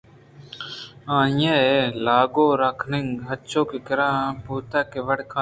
آئیءَلاگءَ را رنگ رَجوکے ءِکِرّا بہا کنائینگ ءِوڑ کُت